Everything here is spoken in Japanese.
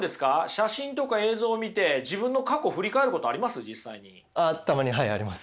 写真とか映像を見て自分の過去を振り返ることあります？